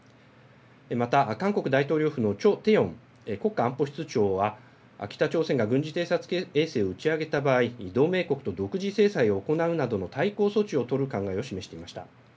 また韓国大統領府のチョ・テヨン国家安保室長は北朝鮮が軍事偵察衛星を打ち上げた場合、同盟国と独自制裁を行うなどの対抗措置を取る考えを示していました。